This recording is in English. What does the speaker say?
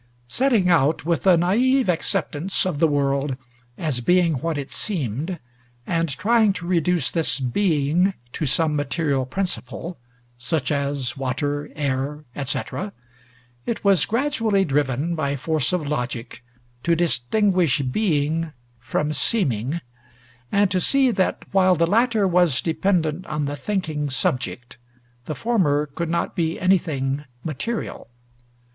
Setting out with a naïve acceptance of the world as being what it seemed, and trying to reduce this Being to some material principle, such as water, air, etc., it was gradually driven, by force of logic, to distinguish Being from Seeming, and to see that while the latter was dependent on the thinking subject, the former could not be anything material.